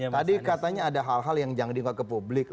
tadi katanya ada hal hal yang jangan diingat ke publik